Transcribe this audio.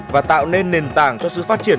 và tạo nên nền tảng cho sự phát triển